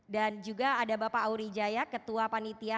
dan juga ada bapak aury jaya ketua panitia